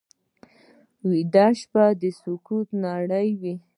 ویده شپه د سکوت نړۍ وي